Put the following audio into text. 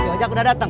si ojek udah dateng